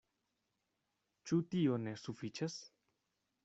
Ĉu tio ne sufiĉas?